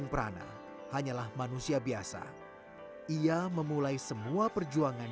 eya bisa memulai semua perjuangan